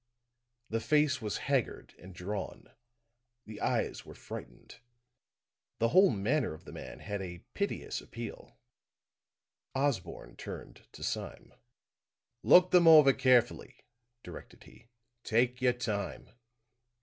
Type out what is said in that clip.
The face was haggard and drawn; the eyes were frightened; the whole manner of the man had a piteous appeal. Osborne turned to Sime. "Look them over carefully," directed he. "Take your time."